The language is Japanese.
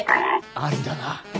ありだな。